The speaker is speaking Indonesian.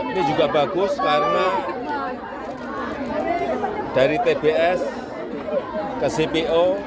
ini juga bagus karena dari tbs ke cpo